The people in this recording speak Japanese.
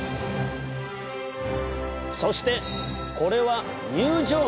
そしてこれは入場門。